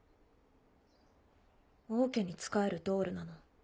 王家に仕えるドールなの？